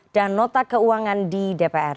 dan nota keuangan di dpr